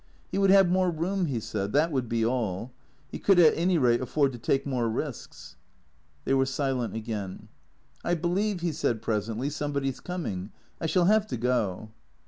" He would have more room," he said, " that would be all. He could at any rate afford to take more risks." They were silent again. " I believe," he said presently, " somebody 's coming. I shall have to go."